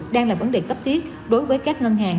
đang là vấn đề cấp thiết đối với các ngân hàng